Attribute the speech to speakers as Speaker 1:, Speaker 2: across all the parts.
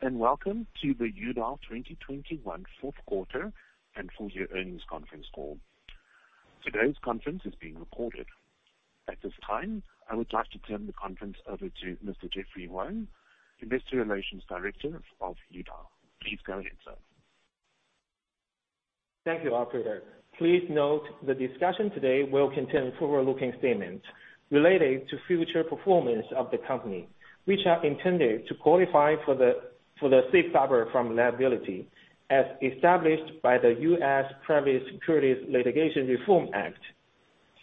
Speaker 1: Good day, and welcome to the Youdao 2021 fourth quarter and full year earnings conference call. Today's conference is being recorded. At this time, I would like to turn the conference over to Mr. Jeffrey Wang, Investor Relations Director of Youdao. Please go ahead, sir.
Speaker 2: Thank you, operator. Please note the discussion today will contain forward-looking statements related to future performance of the company, which are intended to qualify for the safe harbor from liability as established by the U.S. Private Securities Litigation Reform Act.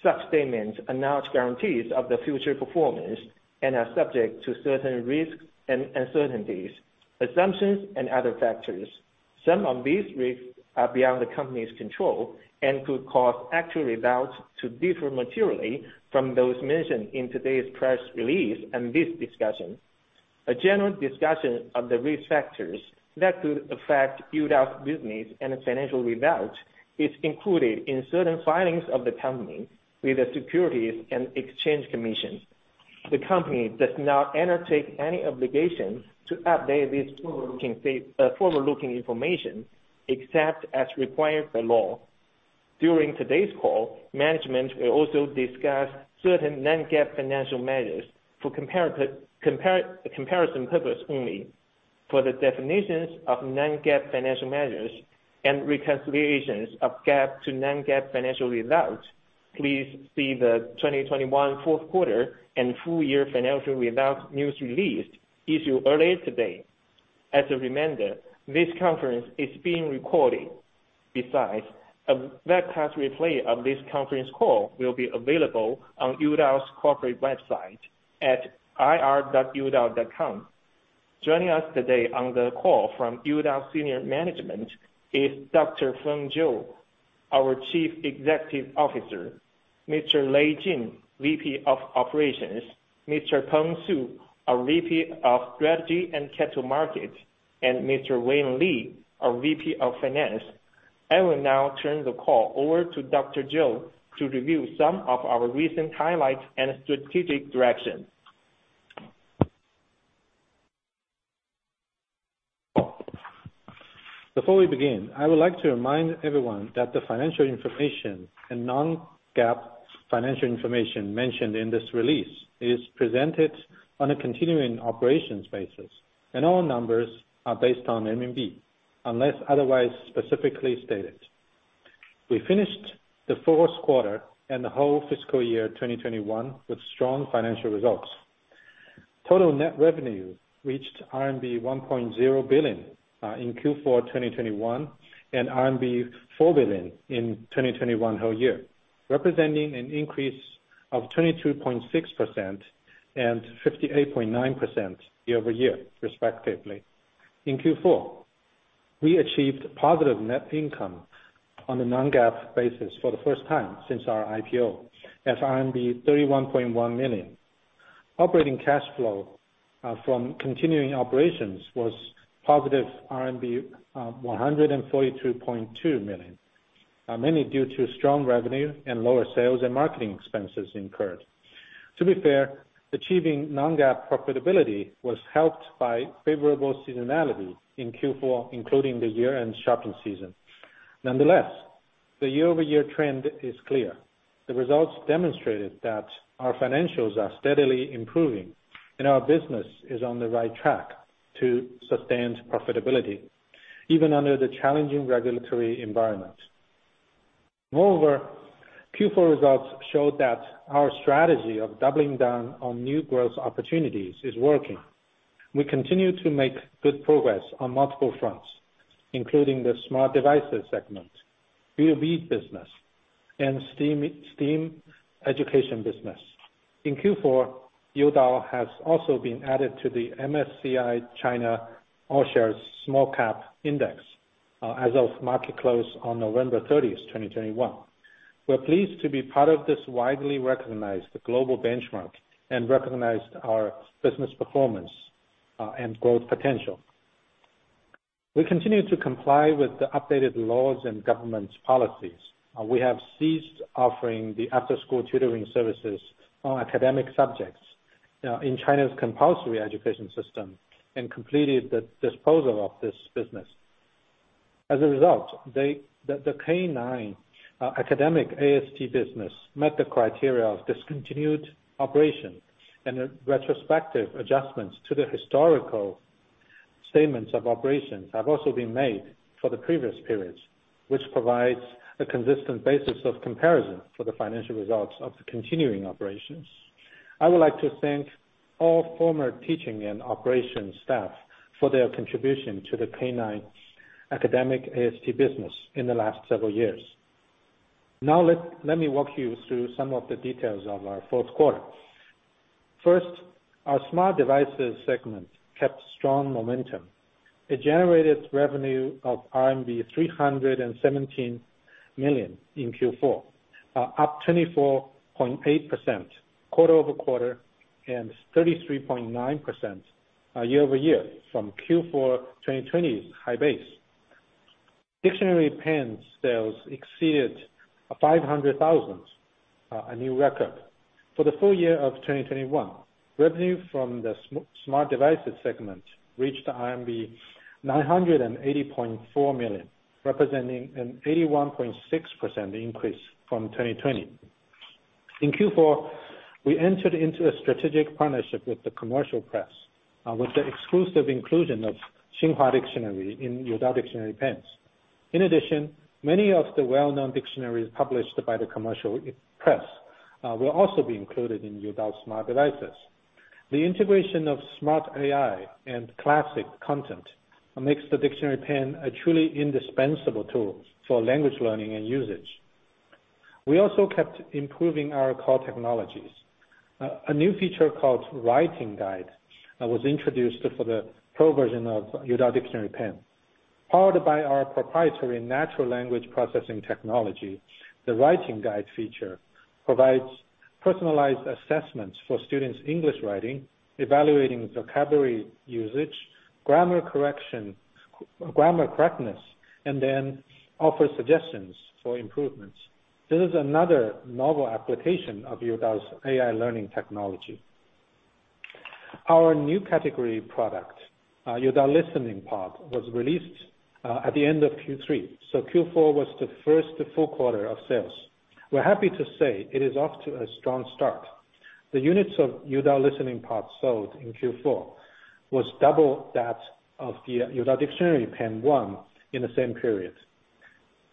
Speaker 2: Such statements are not guarantees of the future performance and are subject to certain risks and uncertainties, assumptions, and other factors. Some of these risks are beyond the company's control and could cause actual results to differ materially from those mentioned in today's press release and this discussion. A general discussion of the risk factors that could affect Youdao's business and financial results is included in certain filings of the company with the Securities and Exchange Commission. The company does not undertake any obligation to update this forward-looking information except as required by law. During today's call, management will also discuss certain non-GAAP financial measures for comparison purpose only. For the definitions of non-GAAP financial measures and reconciliations of GAAP to non-GAAP financial results, please see the 2021 fourth quarter and full year financial results news release issued earlier today. As a reminder, this conference is being recorded. Besides, a webcast replay of this conference call will be available on Youdao's corporate website at ir.youdao.com. Joining us today on the call from Youdao senior management is Dr. Feng Zhou, our Chief Executive Officer, Mr. Lei Jin, VP of Operations, Mr. Peng Su, our VP of Strategy and Capital Markets, and Mr. Wayne Li, our VP of Finance. I will now turn the call over to Dr. Zhou to review some of our recent highlights and strategic direction.
Speaker 3: Before we begin, I would like to remind everyone that the financial information and non-GAAP financial information mentioned in this release is presented on a continuing operations basis, and all numbers are based on RMB, unless otherwise specifically stated. We finished the fourth quarter and the whole fiscal year 2021 with strong financial results. Total net revenue reached RMB 1.0 billion in Q4 2021, and RMB 4 billion in 2021 whole year, representing an increase of 22.6% and 58.9% year-over-year, respectively. In Q4, we achieved positive net income on a non-GAAP basis for the first time since our IPO of RMB 31.1 million. Operating cash flow from continuing operations was positive RMB 142.2 million, mainly due to strong revenue and lower sales and marketing expenses incurred. To be fair, achieving non-GAAP profitability was helped by favorable seasonality in Q4, including the year-end shopping season. Nonetheless, the year-over-year trend is clear. The results demonstrated that our financials are steadily improving, and our business is on the right track to sustained profitability, even under the challenging regulatory environment. Moreover, Q4 results show that our strategy of doubling down on new growth opportunities is working. We continue to make good progress on multiple fronts, including the smart devices segment, B2B business, and STEAM education business. In Q4, Youdao has also been added to the MSCI China All Shares Small Cap Index, as of market close on November thirtieth, twenty twenty-one. We're pleased to be part of this widely recognized global benchmark and recognized our business performance, and growth potential. We continue to comply with the updated laws and government's policies. We have ceased offering the after-school tutoring services on academic subjects in China's compulsory education system and completed the disposal of this business. As a result, the K-9 academic AST business met the criteria of discontinued operations and the retrospective adjustments to the historical statements of operations have also been made for the previous periods, which provides a consistent basis of comparison for the financial results of the continuing operations. I would like to thank all former teaching and operations staff for their contribution to the K-9 academic AST business in the last several years. Now let me walk you through some of the details of our fourth quarter. First, our smart devices segment kept strong momentum. It generated revenue of RMB 317 million in Q4, up 24.8% quarter-over-quarter and 33.9% year-over-year from Q4 2020 high base. Dictionary pen sales exceeded 500,000, a new record. For the full year of 2021, revenue from the smart devices segment reached 980.4 million, representing an 81.6% increase from 2020. In Q4, we entered into a strategic partnership with the Commercial Press, with the exclusive inclusion of Xinhua Dictionary in Youdao dictionary pens. In addition, many of the well-known dictionaries published by the Commercial Press will also be included in Youdao's smart devices. The integration of smart AI and classic content makes the dictionary pen a truly indispensable tool for language learning and usage. We also kept improving our core technologies. A new feature called Writing Guide was introduced for the pro version of Youdao Dictionary Pen. Powered by our proprietary natural language processing technology, the Writing Guide feature provides personalized assessments for students' English writing, evaluating vocabulary usage, grammar correctness, and then offers suggestions for improvements. This is another novel application of Youdao's AI learning technology. Our new category product, Youdao Listening Pod, was released at the end of Q3, so Q4 was the first full quarter of sales. We're happy to say it is off to a strong start. The units of Youdao Listening Pod sold in Q4 was double that of the Youdao Dictionary Pen in the same period.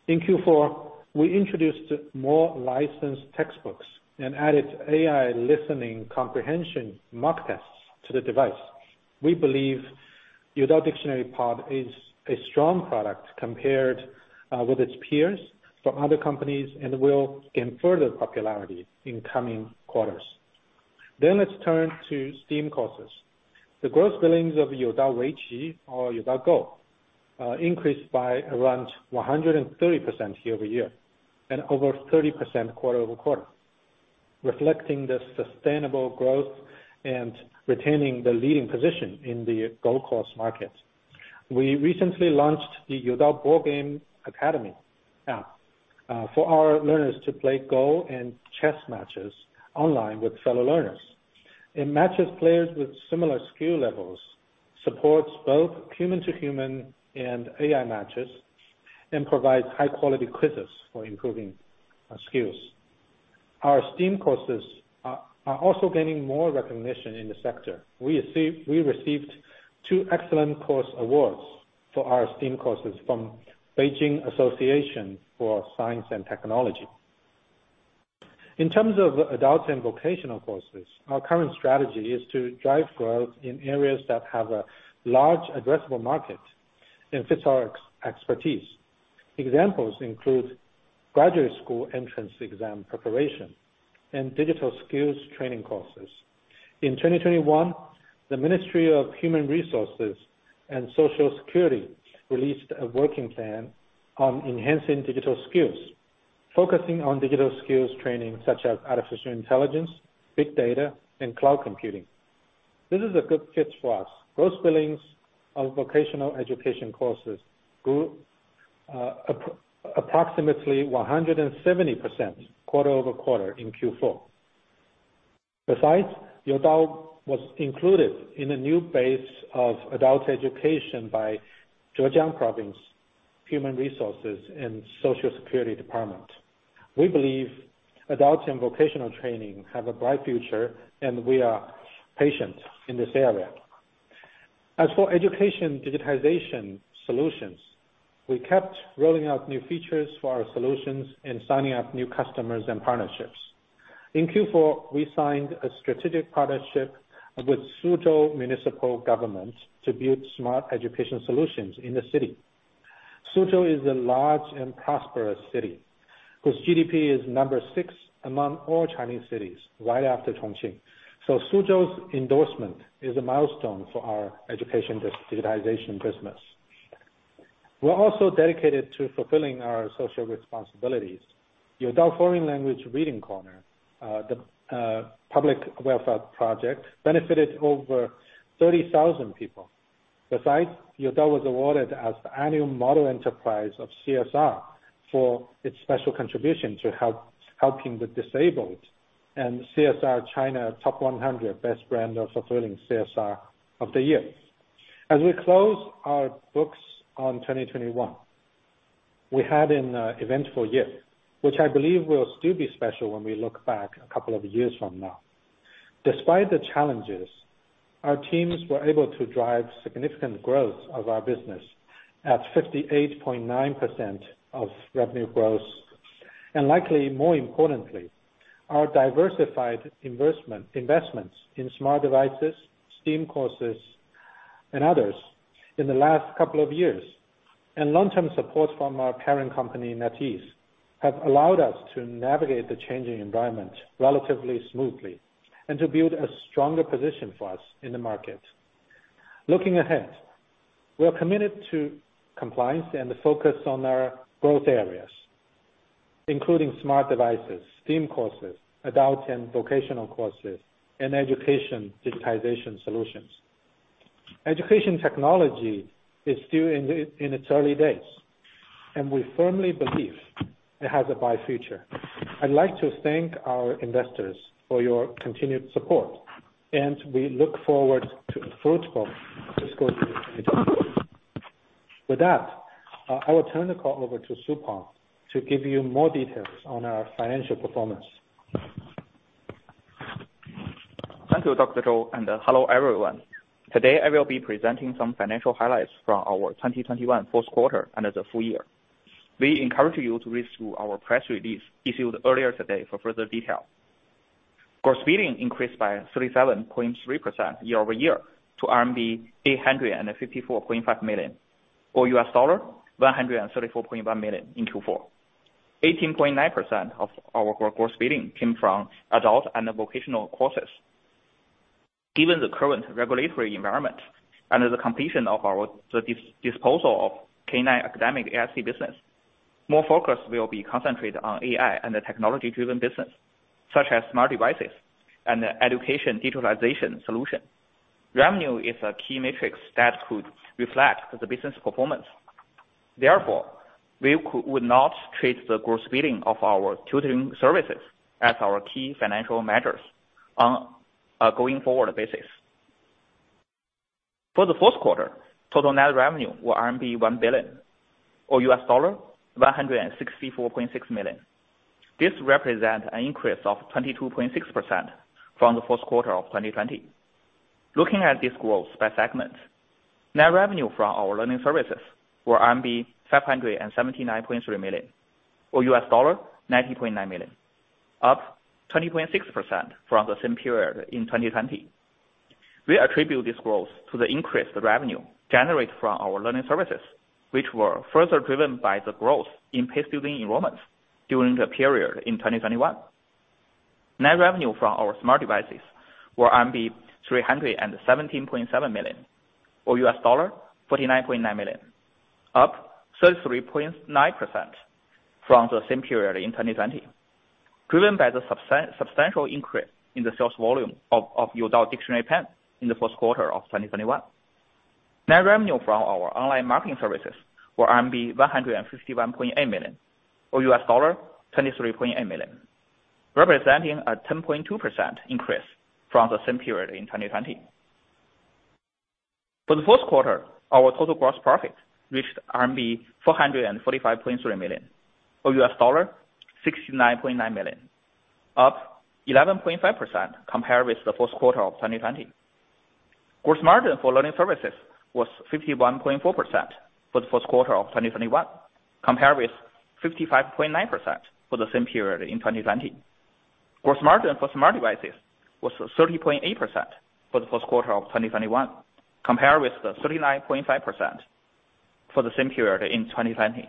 Speaker 3: In Q4, we introduced more licensed textbooks and added AI listening comprehension mock tests to the device. We believe Youdao Listening Pod is a strong product compared with its peers from other companies, and will gain further popularity in coming quarters. Let's turn to STEAM courses. The gross billings of Youdao Weiqi or Youdao Go increased by around 130% year-over-year and over 30% quarter-over-quarter, reflecting the sustainable growth and retaining the leading position in the Go course market. We recently launched the Youdao Board Game Academy app for our learners to play Go and chess matches online with fellow learners. It matches players with similar skill levels, supports both human-to-human and AI matches, and provides high-quality quizzes for improving skills. Our STEAM courses are also gaining more recognition in the sector. We received two excellent course awards for our STEAM courses from Beijing Association for Science and Technology. In terms of adult and vocational courses, our current strategy is to drive growth in areas that have a large addressable market and fits our expertise. Examples include graduate school entrance exam preparation and digital skills training courses. In 2021, the Ministry of Human Resources and Social Security released a working plan on enhancing digital skills, focusing on digital skills training such as artificial intelligence, big data, and cloud computing. This is a good fit for us. Gross billings of vocational education courses grew approximately 170% quarter-over-quarter in Q4. Besides, Youdao was included in the new base of adult education by Zhejiang Province Human Resources and Social Security Department. We believe adult and vocational training have a bright future, and we are patient in this area. As for education digitalization solutions, we kept rolling out new features for our solutions and signing up new customers and partnerships. In Q4, we signed a strategic partnership with Suzhou Municipal Government to build smart education solutions in the city. Suzhou is a large and prosperous city, whose GDP is sixth among all Chinese cities, right after Chongqing. Suzhou's endorsement is a milestone for our education digitalization business. We're also dedicated to fulfilling our social responsibilities. Youdao Foreign Language Reading Corner, the public welfare project, benefited over 30,000 people. Besides, Youdao was awarded as the annual model enterprise of CSR for its special contribution to helping the disabled, and CSR China Top 100 best brand of fulfilling CSR of the year. As we close our books on 2021, we had an eventful year, which I believe will still be special when we look back a couple of years from now. Despite the challenges, our teams were able to drive significant growth of our business at 58.9% revenue growth. Likely, more importantly, our diversified investments in smart devices, STEAM courses, and others in the last couple of years, and long-term support from our parent company, NetEase, have allowed us to navigate the changing environment relatively smoothly, and to build a stronger position for us in the market. Looking ahead, we are committed to compliance and the focus on our growth areas, including smart devices, STEAM courses, adult and vocational courses, and education digitalization solutions. Education technology is still in its early days, and we firmly believe it has a bright future. I'd like to thank our investors for your continued support, and we look forward to a fruitful fiscal year. With that, I will turn the call over to Peng Su to give you more details on our financial performance.
Speaker 4: Thank you, Dr. Zhou, and hello, everyone. Today I will be presenting some financial highlights from our 2021 first quarter and the full year. We encourage you to read through our press release issued earlier today for further detail. Gross billing increased by 37.3% year-over-year to RMB 854.5 million, or $134.1 million in Q4. 18.9% of our gross billing came from adult and vocational courses. Given the current regulatory environment and the completion of our disposal of K-9 academic AST business, more focus will be concentrated on AI and the technology-driven business, such as smart devices and the education digitalization solution. Revenue is a key metric that could reflect the business performance. Therefore, we would not treat the gross billing of our tutoring services as our key financial measures on a going forward basis. For the fourth quarter, total net revenue were RMB 1 billion or $164.6 million. This represent an increase of 22.6% from the first quarter of 2020. Looking at this growth by segment, net revenue from our learning services were RMB 579.3 million or $90.9 million, up 20.6% from the same period in 2020. We attribute this growth to the increased revenue generated from our learning services, which were further driven by the growth in paid student enrollments during the period in 2021. Net revenue from our smart devices were RMB 317.7 million or $49.9 million, up 33.9% from the same period in 2020, driven by the substantial increase in the sales volume of Youdao Dictionary Pen in the first quarter of 2021. Net revenue from our online marketing services were RMB 151.8 million or $23.8 million, representing a 10.2% increase from the same period in 2020. For the first quarter, our total gross profit reached RMB 445.3 million or $69.9 million, up 11.5% compared with the first quarter of 2020. Gross margin for learning services was 51.4% for the first quarter of 2021, compared with 55.9% for the same period in 2020. Gross margin for smart devices was 30.8% for the first quarter of 2021, compared with the 39.5% for the same period in 2020.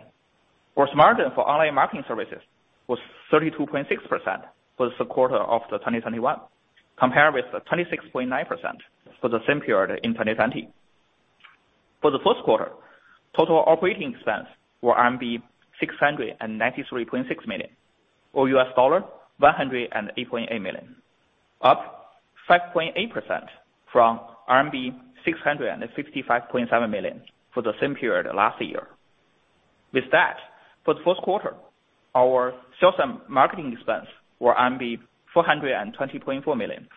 Speaker 4: Gross margin for online marketing services was 32.6% for the first quarter of 2021, compared with the 26.9% for the same period in 2020. For the first quarter, total operating expenses were RMB 693.6 million or $108.8 million, up 5.8% from RMB 665.7 million for the same period last year. With that, for the first quarter, our sales and marketing expense were RMB 420.4 million,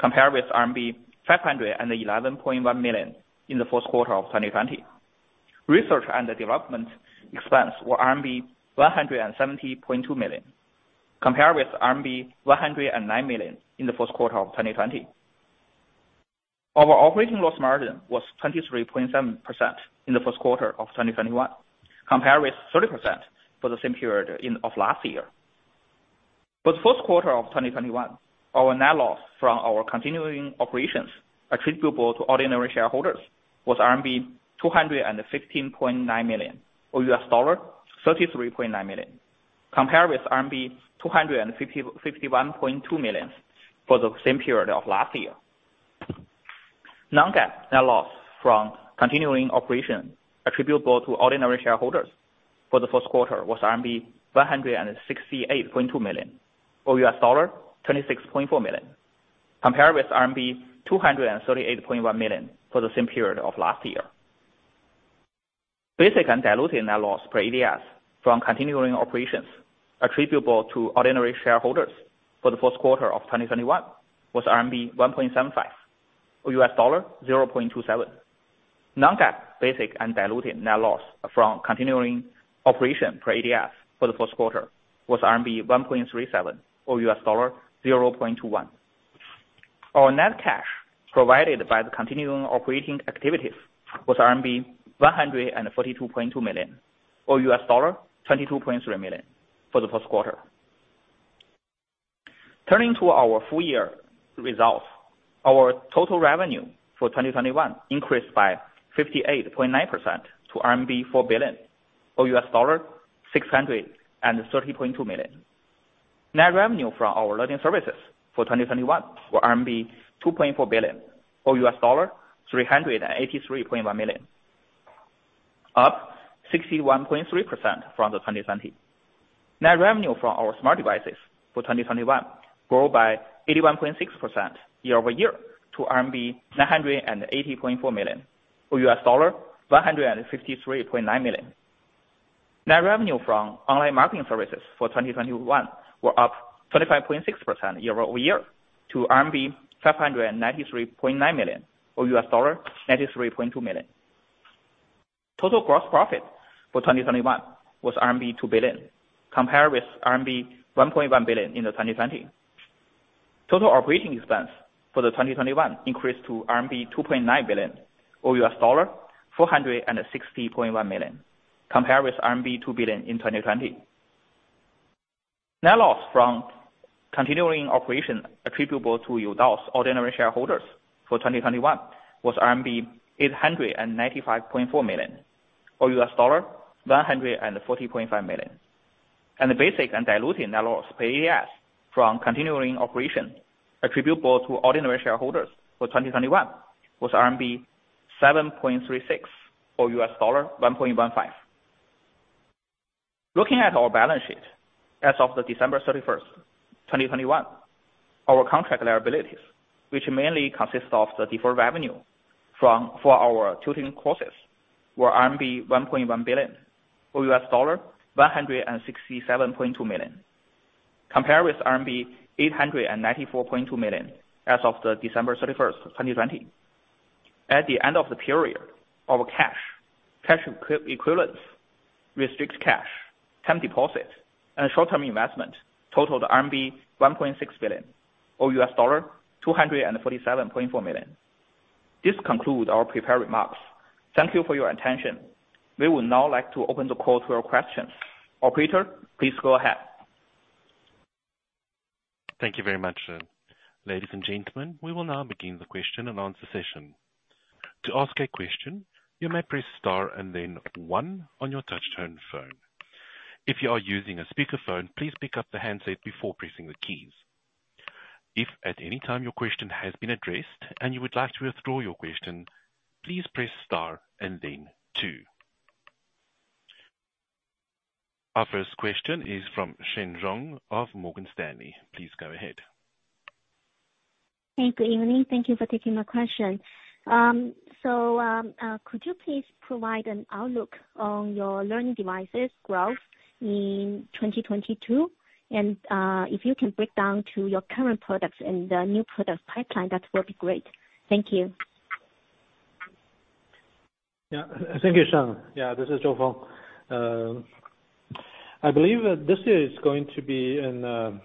Speaker 4: compared with RMB 511.1 million in the first quarter of 2020. Research and development expense were RMB 170.2 million, compared with RMB 109 million in the first quarter of 2020. Our operating loss margin was 23.7% in the first quarter of 2021, compared with 30% for the same period of last year. For the first quarter of 2021, our net loss from our continuing operations attributable to ordinary shareholders was RMB 216.9 million or $33.9 million, compared with RMB 251.2 million for the same period of last year. Non-GAAP net loss from continuing operations attributable to ordinary shareholders for the first quarter was RMB 168.2 million or $26.4 million, compared with RMB 238.1 million for the same period of last year. Basic and diluted net loss per ADS from continuing operations attributable to ordinary shareholders for the first quarter of 2021 was RMB 1.75 or $0.27. Non-GAAP basic and diluted net loss from continuing operations per ADS for the first quarter was RMB 1.37 or $0.21. Our net cash provided by the continuing operating activities was RMB 142.2 million, or $22.3 million for the first quarter. Turning to our full year results. Our total revenue for 2021 increased by 58.9% to RMB 4 billion or $630.2 million.
Speaker 3: Net revenue from our learning services for 2021 were RMB 2.4 billion or $383.1 million, up 61.3% from 2020. Net revenue from our smart devices for 2021 grew by 81.6% year-over-year to RMB 980.4 million or $153.9 million. Net revenue from online marketing services for 2021 were up 25.6% year-over-year to RMB 593.9 million or $93.2 million. Total gross profit for 2021 was RMB 2 billion, compared with RMB 1.1 billion in 2020. Total operating expense for 2021 increased to RMB 2.9 billion or $460.1 million, compared with RMB 2 billion in 2020. Net loss from continuing operation attributable to Youdao's ordinary shareholders for 2021 was RMB 895.4 million or $140.5 million. The basic and diluted net loss per ADS from continuing operation attributable to ordinary shareholders for 2021 was RMB 7.36 or $1.15. Looking at our balance sheet, as of December 31, 2021, our contract liabilities, which mainly consist of the deferred revenue for our tutoring courses, were RMB 1.1 billion or $167.2 million, compared with RMB 894.2 million as of December 31, 2020. At the end of the period, our cash equivalents, restricted cash, term deposits, and short-term investments totaled RMB 1.6 billion or $247.4 million. This concludes our prepared remarks. Thank you for your attention. We would now like to open the call to your questions. Operator, please go ahead.
Speaker 1: Thank you very much. Ladies and gentlemen, we will now begin the question and answer session. To ask a question, you may press star and then one on your touchtone phone. If you are using a speaker phone, please pick up the handset before pressing the keys. If at any time your question has been addressed and you would like to withdraw your question, please press star and then two. Our first question is from Sheng Zhong of Morgan Stanley. Please go ahead.
Speaker 5: Hey, good evening. Thank you for taking my question. Could you please provide an outlook on your learning devices growth in 2022? If you can break down to your current products and the new product pipeline, that would be great. Thank you.
Speaker 3: Thank you, Sheng. This is Feng Zhou. I believe that this year is going to be an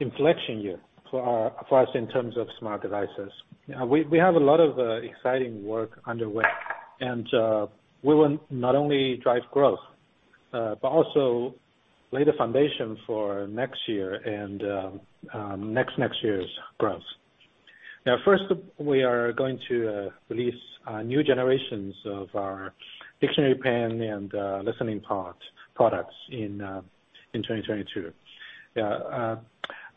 Speaker 3: inflection year for us in terms of smart devices. We have a lot of exciting work underway. We will not only drive growth, but also lay the foundation for next year and next year's growth. Now first, we are going to release new generations of our Dictionary Pen and Listening Pod products in 2022. There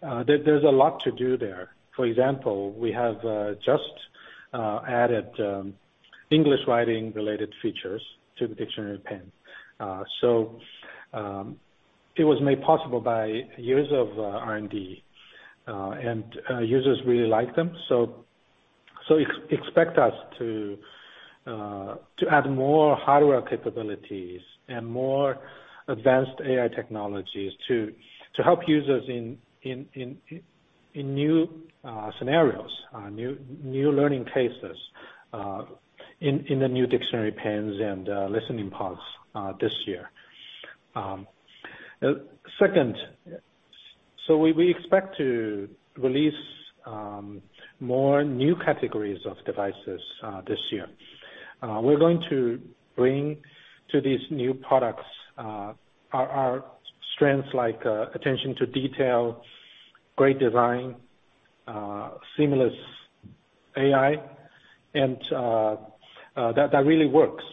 Speaker 3: is a lot to do there. For example, we have just added English writing related features to the Dictionary Pen. So, it was made possible by years of R&D, and users really like them. Expect us to add more hardware capabilities and more advanced AI technologies to help users in new scenarios, new learning cases, in the new Dictionary Pens and Listening Pods this year. Second, we expect to release more new categories of devices this year. We're going to bring to these new products our strengths, like attention to detail, great design, seamless AI, and that really works.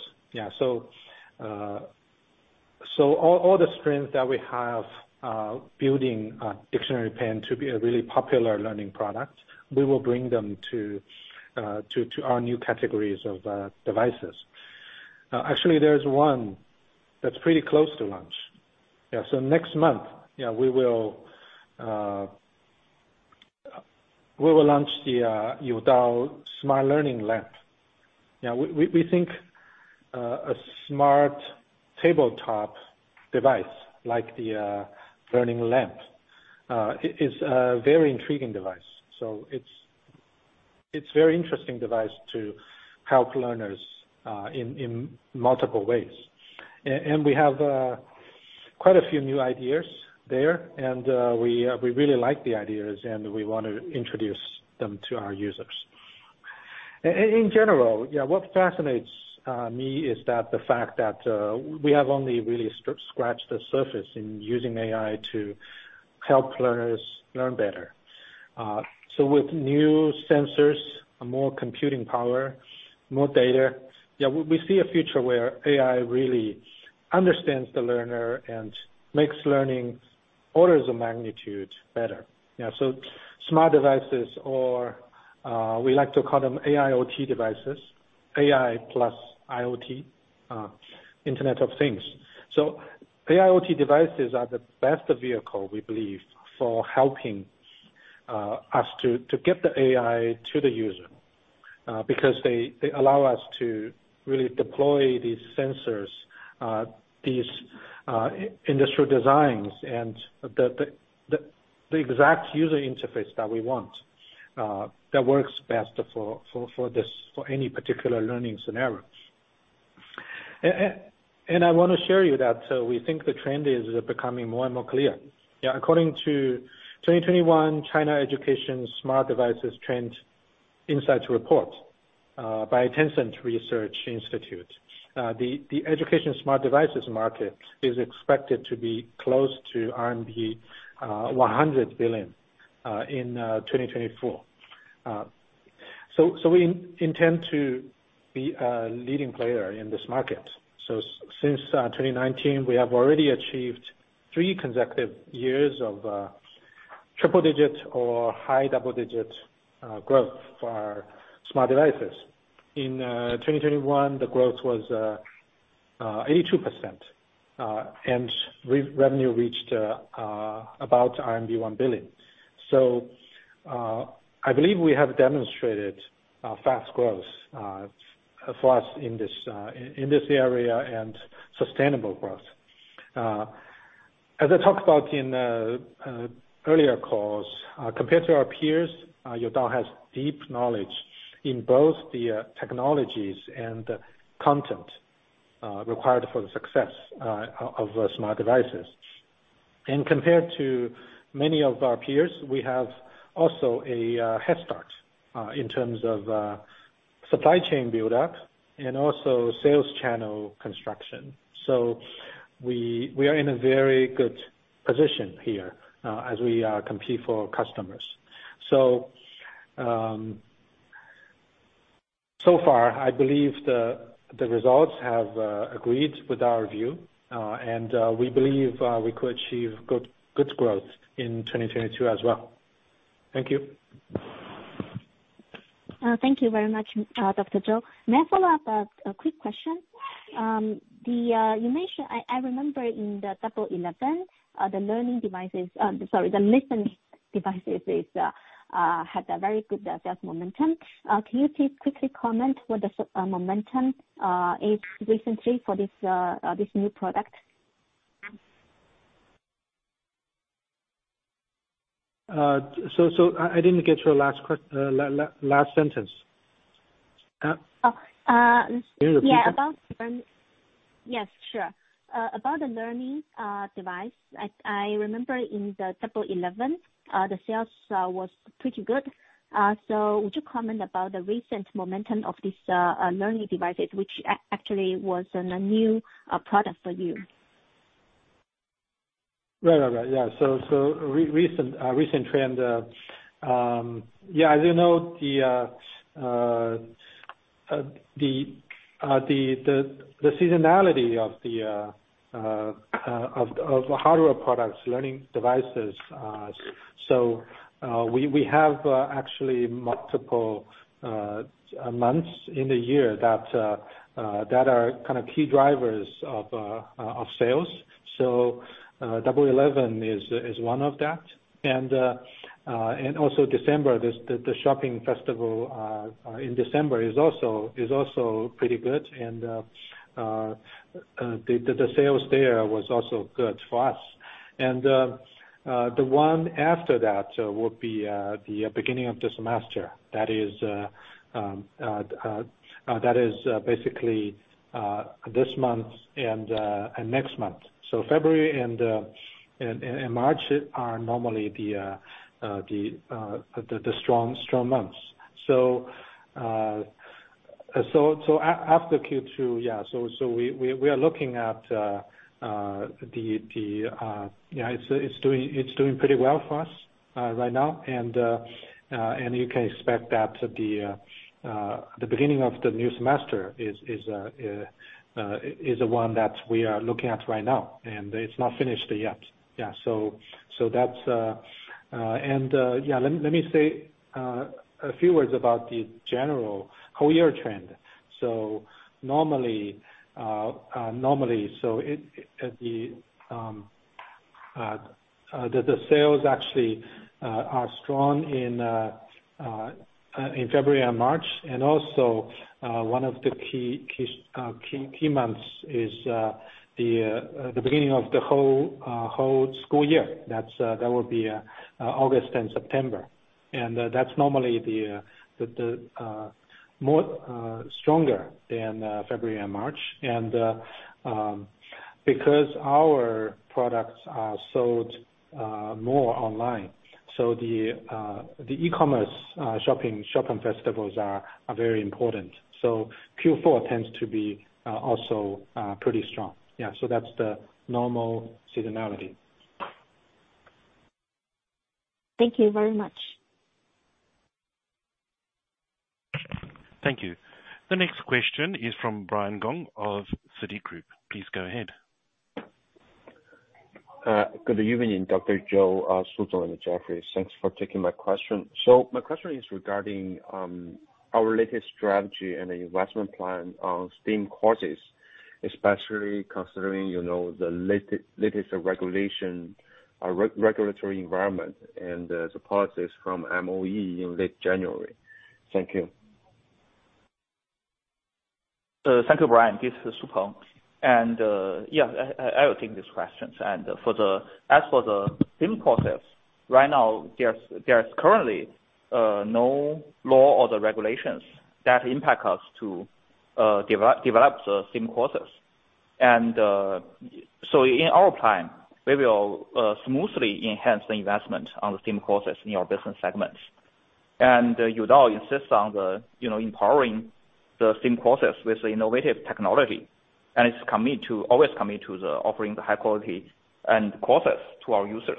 Speaker 3: All the strengths that we have building a Dictionary Pen to be a really popular learning product, we will bring them to our new categories of devices. Actually, there's one that's pretty close to launch. Next month, we will launch the Youdao Smart Learning Lamp. We think a smart tabletop device like the learning lamp is a very intriguing device. It's a very interesting device to help learners in multiple ways. We have quite a few new ideas there, and we really like the ideas, and we want to introduce them to our users. In general, what fascinates me is the fact that we have only really scratched the surface in using AI to help learners learn better. With new sensors and more computing power, more data, we see a future where AI really understands the learner and makes learning orders of magnitude better. Smart devices or we like to call them AIoT devices. AI plus IoT, Internet of Things. AIoT devices are the best vehicle, we believe, for helping us to get the AI to the user, because they allow us to really deploy these sensors, these industrial designs and the exact user interface that we want, that works best for any particular learning scenario. I wanna show you that we think the trend is becoming more and more clear. Yeah, according to 2021 China Education Smart Devices Trend Insights Report by Tencent Research Institute, the education smart devices market is expected to be close to RMB 100 billion in 2024. We intend to be a leading player in this market. Since 2019, we have already achieved three consecutive years of triple-digit or high double-digit growth for our smart devices. In 2021, the growth was 82%. Revenue reached about RMB 1 billion. I believe we have demonstrated fast growth for us in this in this area, and sustainable growth. As I talked about in earlier calls, compared to our peers, Youdao has deep knowledge in both the technologies and the content required for the success of smart devices. Compared to many of our peers, we have also a head start in terms of supply chain build-up and also sales channel construction. We are in a very good position here as we compete for customers. I believe the results have agreed with our view. We believe we could achieve good growth in 2022 as well. Thank you.
Speaker 5: Thank you very much, Dr. Zhou. May I follow up? A quick question. You mentioned. I remember in the Double Eleven, the learning devices, sorry, the listening devices had a very good sales momentum. Can you please quickly comment what the momentum is recently for this new product?
Speaker 3: I didn't get your last sentence.
Speaker 5: Oh.
Speaker 3: Can you repeat that?
Speaker 5: Yes, sure. About the learning device. I remember in the Double Eleven the sales was pretty good. So would you comment about the recent momentum of this learning devices, which actually was a new product for you?
Speaker 3: Right. Yeah. Recent trend, as you know, the seasonality of hardware products, learning devices, so we have actually multiple months in the year that are kinda key drivers of sales. Double Eleven is one of that. Also December, the shopping festival in December is also pretty good and the sales there was also good for us. The one after that would be the beginning of the semester. That is basically this month and next month. February and March are normally the strong months. After Q2, yeah, we are looking at, you know, it's doing pretty well for us right now. You can expect that the beginning of the new semester is the one that we are looking at right now, and it's not finished yet. Yeah, so that's, and yeah, let me say a few words about the general whole year trend. Normally, the sales actually are strong in February and March. One of the key months is the beginning of the whole school year. That would be August and September. That's normally the more stronger than February and March. Because our products are sold more online, the e-commerce shopping festivals are very important. Q4 tends to be also pretty strong. Yeah, that's the normal seasonality.
Speaker 5: Thank you very much.
Speaker 1: Thank you. The next question is from Brian Gong of Citigroup. Please go ahead.
Speaker 6: Good evening, Dr. Zhou and Jeffrey. Thanks for taking my question. My question is regarding our latest strategy and investment plan on STEAM courses, especially considering, you know, the latest regulatory environment and the policies from MOE in late January. Thank you.
Speaker 4: Thank you, Brian. This is Peng Su. I will take these questions. As for the STEAM courses, right now, there's currently no law or the regulations that impact us to develop the STEAM courses. In our plan, we will smoothly enhance the investment on the STEAM courses in our business segments. Youdao insists on you know, empowering the STEAM courses with innovative technology, and it's always committed to offering the high-quality courses to our users.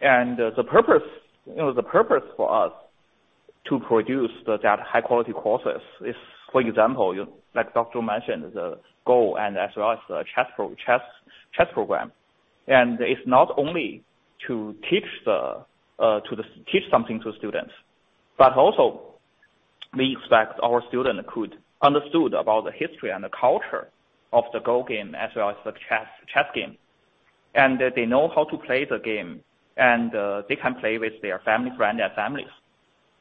Speaker 4: The purpose you know, the purpose for us to produce that high-quality courses is, for example, like Dr. mentioned, the Go and as well as the chess program. It's not only to teach something to students, but also we expect our student could understand about the history and the culture of the Go game, as well as the chess game. They know how to play the game, and they can play with their family friend and families.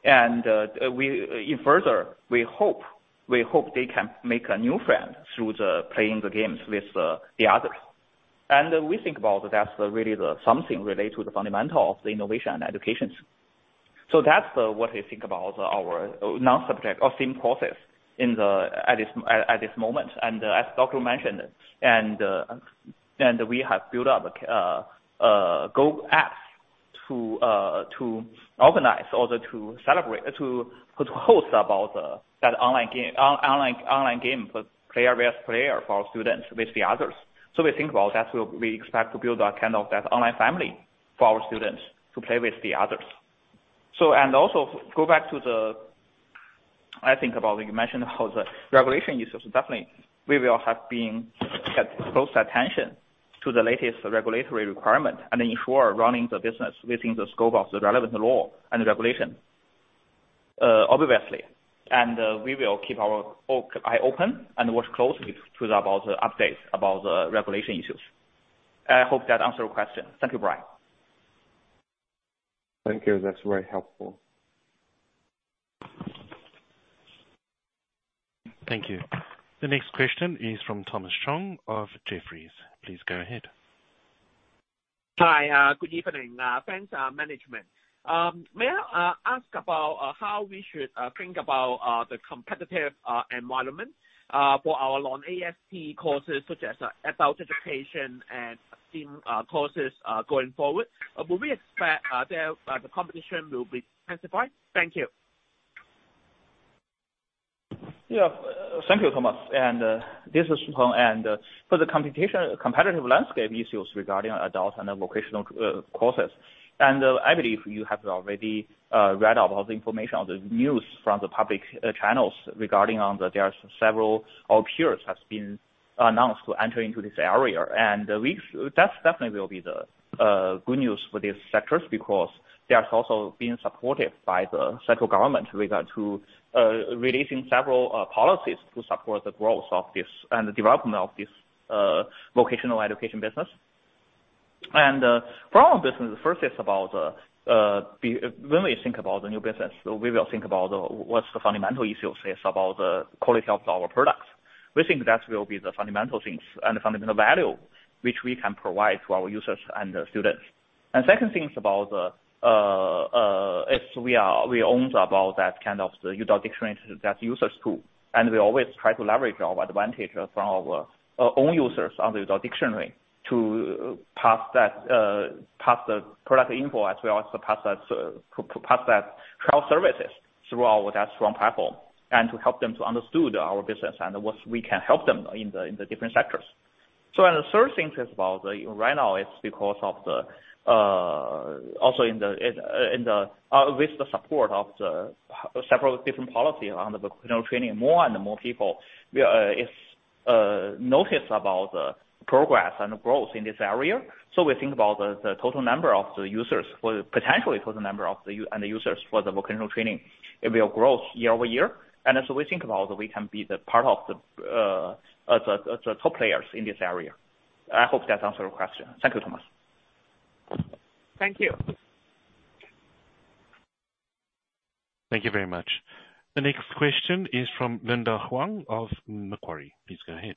Speaker 4: In further, we hope they can make a new friend through playing the games with the others. We think about that's really something related to the fundamental of the innovation and education. That's what we think about our non-subject or STEAM courses at this moment. As Dr. mentioned, we have built up a Go app to organize or to celebrate. to host about that online game, online game for player versus player for our students with the others. We think about that, we expect to build a kind of that online family for our students to play with the others. Go back to the. I think what you mentioned how the regulation issues, definitely we will pay close attention to the latest regulatory requirement and ensure running the business within the scope of the relevant law and regulation, obviously. We will keep our eyes open and watch closely to the updates about the regulation issues. I hope that answered your question. Thank you, Brian.
Speaker 6: Thank you. That's very helpful.
Speaker 1: Thank you. The next question is from Thomas Chong of Jefferies. Please go ahead.
Speaker 7: Hi. Good evening. Thanks, management. May I ask about how we should think about the competitive environment for our non-AST courses, such as adult education and STEAM courses going forward? Will we expect the competition will be intensified? Thank you.
Speaker 4: Thank you, Thomas. This is Peng Su. For the competitive landscape issues regarding adult and vocational courses, I believe you have already read about the information on the news from the public channels regarding the several peers that have been announced to enter into this area. That definitely will be the good news for these sectors because they are also being supported by the central government regarding releasing several policies to support the growth of this and the development of this vocational education business. For our business, first is about when we think about the new business, we will think about what's the fundamental issue is about the quality of our products. We think that will be the fundamental things and fundamental value which we can provide to our users and the students. Second thing is about we owned about that kind of the Youdao Dictionary that users tool, and we always try to leverage our advantage from our own users on the Youdao Dictionary to pass the product info as well, so pass that cloud services through that strong platform, and to help them to understood our business and what we can help them in the different sectors. Third thing is about the right now it's because of the also in the in the. With the support of several different policies on the vocational training, more and more people are noticing the progress and growth in this area. We think the total number of users for vocational training will grow year over year. As we think about, we can be part of the top players in this area. I hope that answered your question. Thank you, Thomas.
Speaker 7: Thank you.
Speaker 1: Thank you very much. The next question is from Linda Huang of Macquarie. Please go ahead.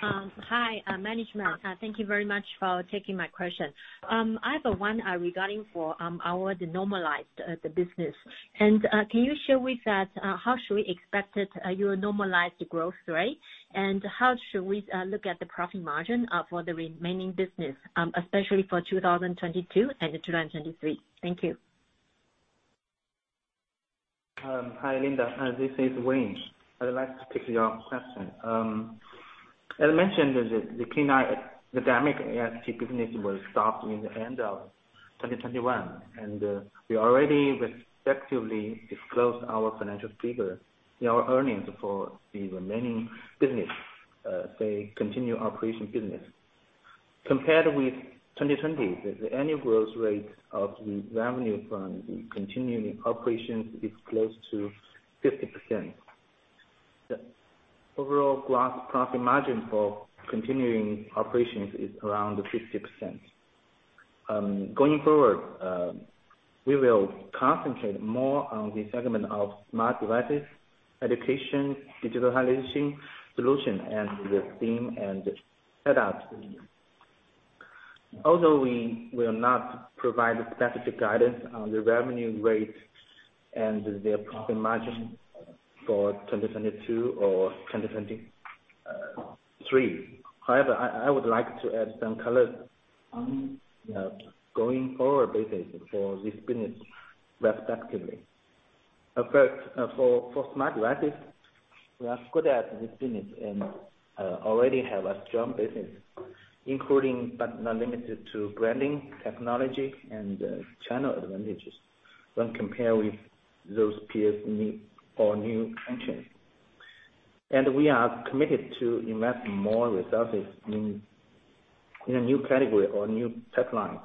Speaker 8: Hi, management. Thank you very much for taking my question. I have one regarding the normalized business. Can you share with us how we should expect your normalized growth rate? How should we look at the profit margin for the remaining business, especially for 2022 and 2023? Thank you.
Speaker 9: Hi Linda. This is Wayne. I'd like to take your question. As mentioned, the K-9, the dynamic AST business was stopped in the end of 2021, and we already respectively disclosed our financial figures, our earnings for the remaining business, say continued operation business. Compared with 2020, the annual growth rate of the revenue from the continuing operations is close to 50%. The overall gross profit margin for continuing operations is around 50%. Going forward, we will concentrate more on the segment of smart devices, education, digitalization solution, and the theme and set up. Although we will not provide specific guidance on the revenue rate and their profit margin for 2022 or 2023. However, I would like to add some color on the going forward basis for this business respectively. For smart devices, we are good at this business and already have a strong business, including but not limited to branding, technology and channel advantages when compared with those peers, new or new entrants. We are committed to invest more resources in a new category or new pipeline.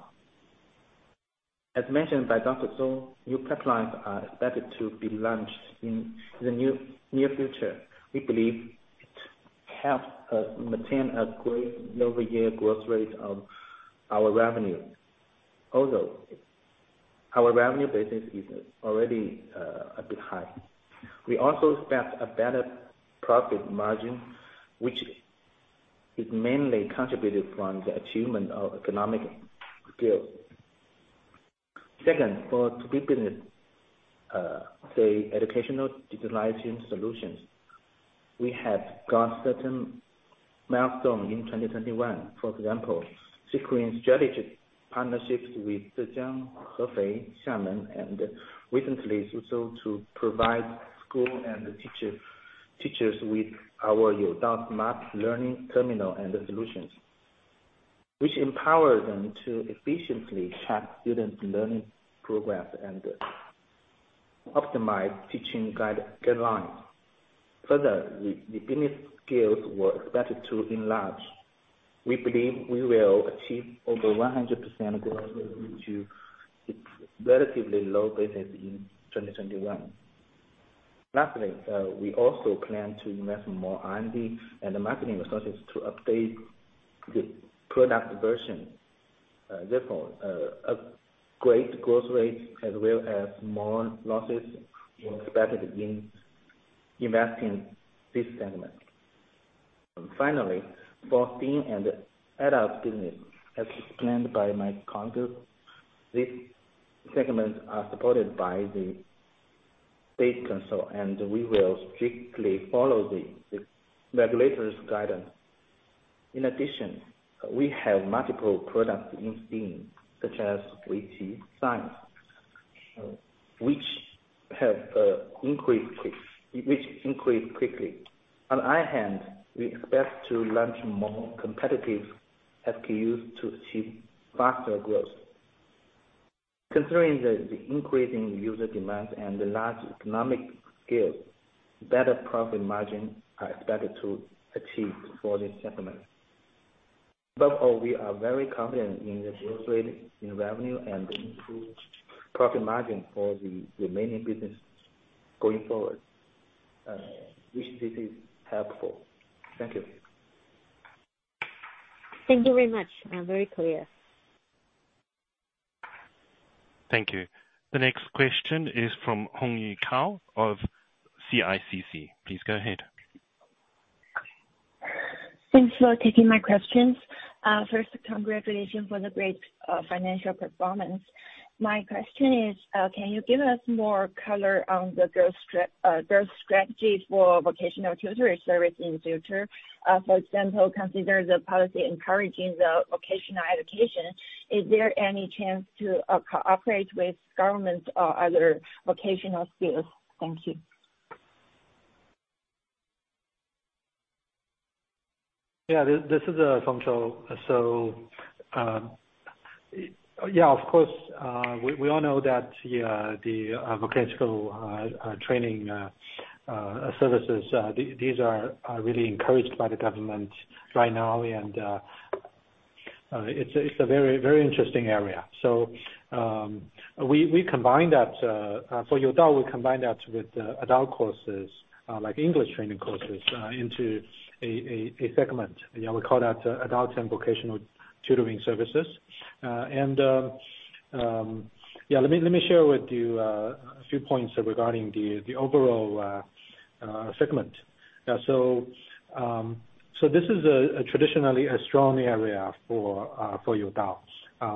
Speaker 9: As mentioned by Dr. Zhou, new pipelines are expected to be launched in the near future. We believe it helps maintain a great year-over-year growth rate of our revenue. Although our revenue base is already a bit high. We also expect a better profit margin, which is mainly contributed from the achievement of economies of scale. Second, for the business, say educational digitalization solutions. We have got certain milestone in 2021. For example, securing strategic partnerships with the Zhengzhou, Hefei, Xiamen, and recently Suzhou to provide schools and teachers with our Youdao Smart Learning Terminal and solutions, which empower them to efficiently track student learning progress and optimize teaching guidelines. Further, the business scales were expected to enlarge. We believe we will achieve over 100% growth rate due to its relatively low business in 2021. Lastly, we also plan to invest more R&D and the marketing resources to update the product version. Therefore, a great growth rate as well as more losses expected in investing this segment. Finally, for teen and adult business, as explained by my counterpart, these segments are supported by the State Council, and we will strictly follow the regulators' guidance. In addition, we have multiple products in the meantime such as Weiqi, Science, which increased quickly. On our end, we expect to launch more competitive SKUs to achieve faster growth. Considering the increasing user demands and the large economic scale, better profit margin are expected to achieve for this segment. Above all, we are very confident in the growth rate, in revenue and improved profit margin for the remaining business going forward. I wish this is helpful. Thank you.
Speaker 8: Thank you very much. Very clear.
Speaker 1: Thank you. The next question is from Hongyu Gao of CICC. Please go ahead.
Speaker 10: Thanks for taking my questions. First, congratulations for the great financial performance. My question is, can you give us more color on the growth strategy for vocational tutoring service in future? For example, consider the policy encouraging the vocational education. Is there any chance to cooperate with government or other vocational skills? Thank you.
Speaker 9: This is Feng Zhou. Of course. We all know that the vocational training services, these are really encouraged by the government right now and it's a very interesting area. We combine that for Youdao with adult courses like English training courses into a segment. We call that adults and vocational tutoring services. Let me share with you a few points regarding the overall segment. This is traditionally a strong area for Youdao.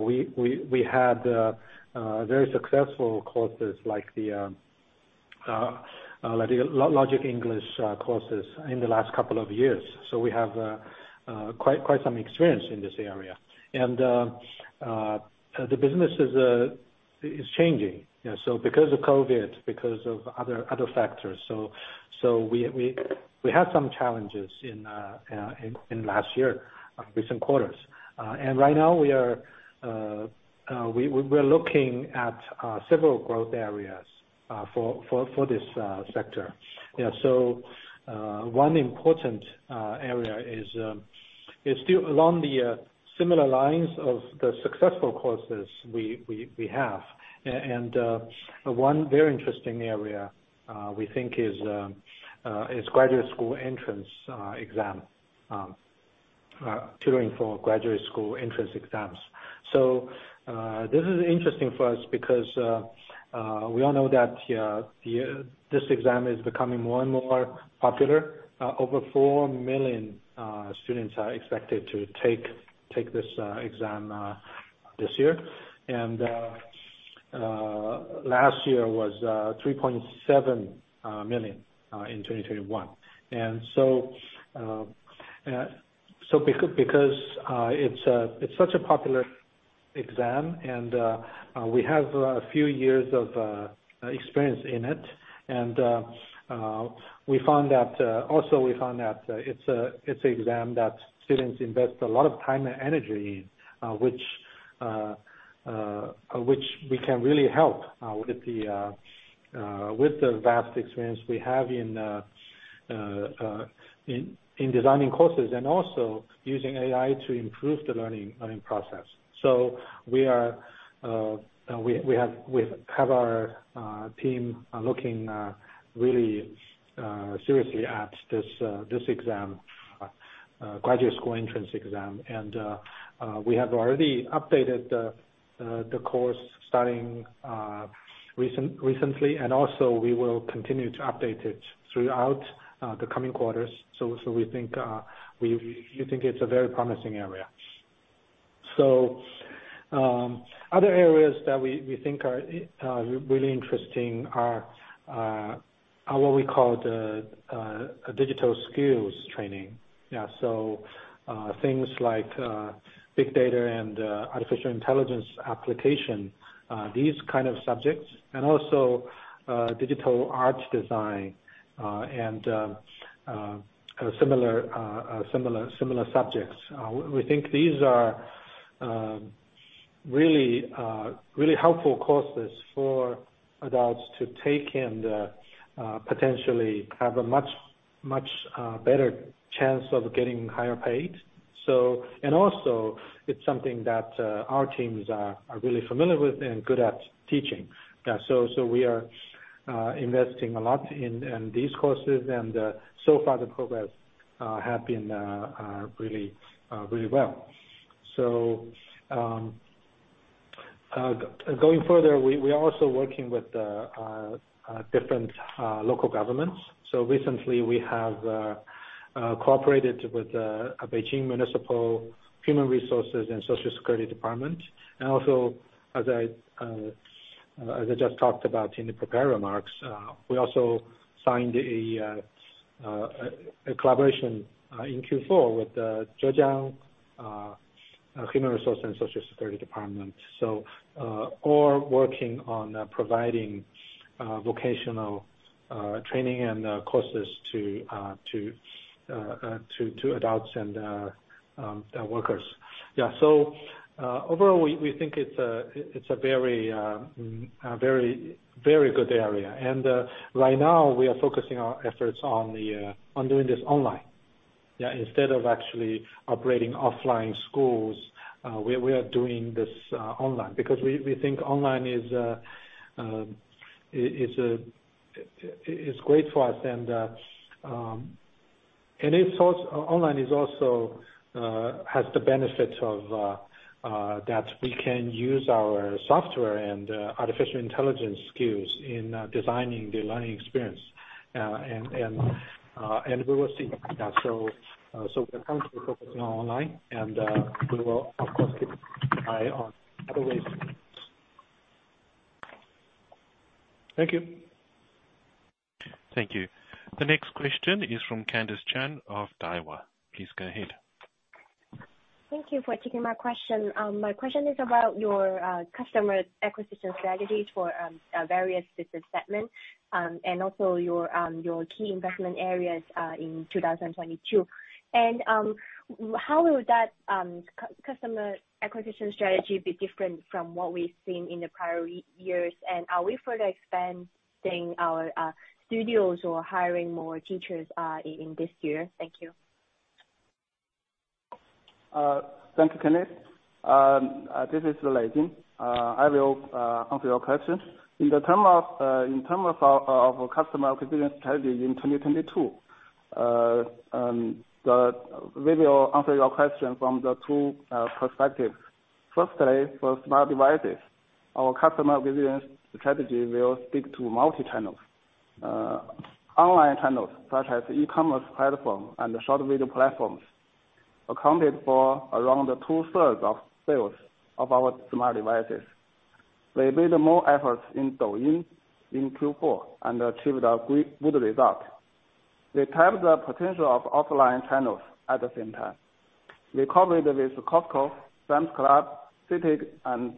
Speaker 9: We had very successful courses like the
Speaker 3: Logic English courses in the last couple of years. We have quite some experience in this area. The business is changing. Because of COVID, because of other factors. We had some challenges in last year, recent quarters. Right now we're looking at several growth areas for this sector. Yeah. One important area is still along the similar lines of the successful courses we have. One very interesting area we think is graduate school entrance exam tutoring for graduate school entrance exams. This is interesting for us because we all know that this exam is becoming more and more popular. Over 4 million students are expected to take this exam this year. Last year was 3.7 million in 2021. Because it's such a popular exam, and we have a few years of experience in it. We found that it's an exam that students invest a lot of time and energy in, which we can really help with the vast experience we have in designing courses and also using AI to improve the learning process. We have our team looking really seriously at this graduate school entrance exam. We have already updated the course starting recently, and also we will continue to update it throughout the coming quarters. We think it's a very promising area. Other areas that we think are really interesting are what we call the digital skills training. Yeah, things like big data and artificial intelligence application, these kind of subjects and also digital arts design and similar subjects. We think these are really helpful courses for adults to take and potentially have a much better chance of getting higher paid. Also it's something that our teams are really familiar with and good at teaching. We are investing a lot in these courses. So far the progress have been really well. Going further, we are also working with different local governments. Recently we have cooperated with a Beijing Municipal Human Resources and Social Security Bureau. As I just talked about in the prepared remarks, we also signed a collaboration in Q4 with the Zhejiang Province Human Resources and Social Security Department. All working on providing vocational training and courses to adults and workers. Yeah. Overall, we think it's a very good area. Right now we are focusing our efforts on doing this online. Yeah. Instead of actually operating offline schools, we are doing this online because we think online is great for us. Online is also has the benefit of that we can use our software and artificial intelligence skills in designing the learning experience. We will see that. We're currently focusing on online and we will of course keep an eye on other ways. Thank you.
Speaker 1: Thank you. The next question is from Candice Chan of Daiwa. Please go ahead.
Speaker 11: Thank you for taking my question. My question is about your customer acquisition strategy for various business segments, and also your key investment areas in 2022. How would that customer acquisition strategy be different from what we've seen in the prior years, and are we further expanding our studios or hiring more teachers in this year? Thank you.
Speaker 12: Thank you, Candice. This is Lei Jin. I will answer your question. In terms of our customer acquisition strategy in 2022, we will answer your question from the two perspectives. Firstly, for smart devices, our customer business strategy will stick to multi-channels. Online channels such as e-commerce platforms and the short video platforms accounted for around two-thirds of sales of our smart devices. We made more efforts in Douyin in Q4 and achieved a good result. We tapped the potential of offline channels at the same time. We covered Costco, Sam's Club, CITIC, and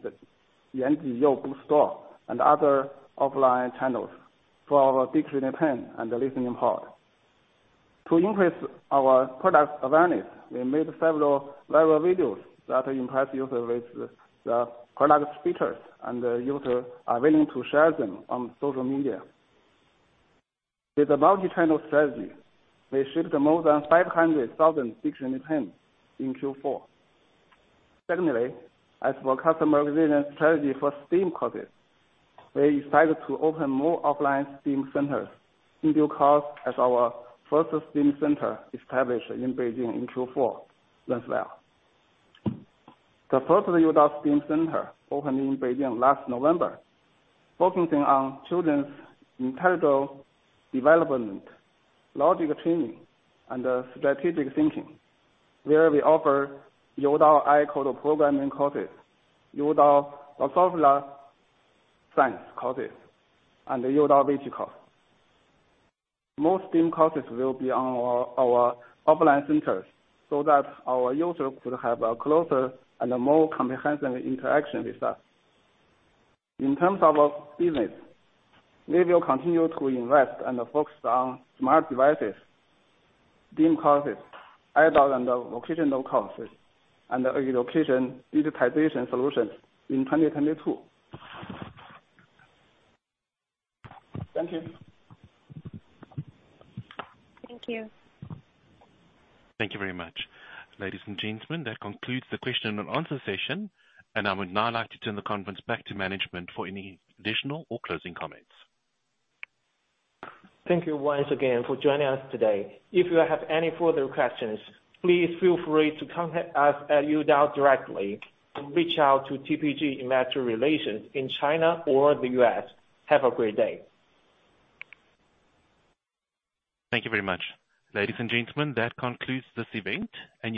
Speaker 12: Yanjiyou stores and other offline channels for our dictionary pen and the listening pod. To increase our product awareness, we made several viral videos that impressed users with the product features, and users are willing to share them on social media. With the multi-channel strategy, we shipped more than 500,000 dictionary pens in Q4. Secondly, as for customer experience strategy for STEAM courses, we decided to open more offline STEAM centers. Xindie Class as our first STEAM center established in Beijing in Q4 went well. The first Youdao STEAM center opened in Beijing last November, focusing on children's intellectual development, logic training, and strategic thinking, where we offer Youdao AI code programming courses, Youdao Drosophila science courses, and Youdao Weiqi. Most STEAM courses will be on our offline centers, so that our users could have a closer and a more comprehensive interaction with us. In terms of our business, we will continue to invest and focus on smart devices, STEAM courses, adult and vocational courses, and early education digitalization solutions in 2022. Thank you.
Speaker 11: Thank you.
Speaker 1: Thank you very much. Ladies and gentlemen, that concludes the question and answer session, and I would now like to turn the conference back to management for any additional or closing comments.
Speaker 12: Thank you once again for joining us today. If you have any further questions, please feel free to contact us at Youdao directly or reach out to TPG Investor Relations in China or the U.S. Have a great day.
Speaker 1: Thank you very much. Ladies and gentlemen, that concludes this event, and you may disconnect.